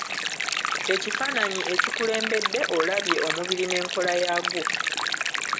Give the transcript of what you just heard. Ekifaananyi ekikulembedde olabye omubiri n'enkola yaagwo.